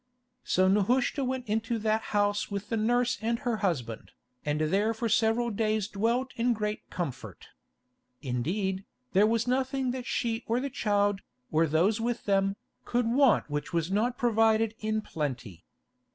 So Nehushta went into that house with the nurse and her husband, and there for several days dwelt in great comfort. Indeed, there was nothing that she or the child, or those with them, could want which was not provided in plenty.